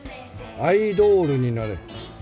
アイドールになれ。